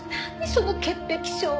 その潔癖症！